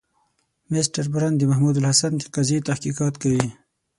مسټر برن د محمودالحسن د قضیې تحقیقات کوي.